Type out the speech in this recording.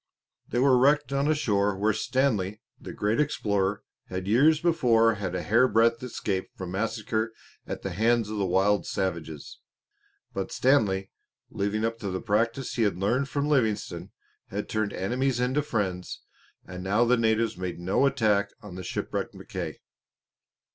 They were wrecked on a shore where Stanley, the great explorer, had years before had a hairbreadth escape from massacre at the hands of the wild savages. But Stanley, living up to the practice he had learned from Livingstone, had turned enemies into friends, and now the natives made no attack on the shipwrecked Mackay.